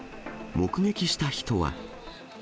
目撃した人は。